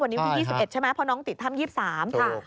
วันนี้วันที่๒๑ใช่ไหมเพราะน้องติดถ้ำ๒๓ค่ะ